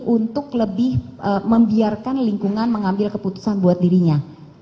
untuk lebih membiarkan lingkungan mengambil keputusan buat dirinya